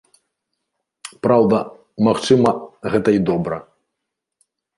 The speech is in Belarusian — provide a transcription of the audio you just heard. Праўда, магчыма, гэта і добра.